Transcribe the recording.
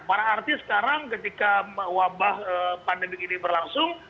para artis sekarang ketika wabah pandemi ini berlangsung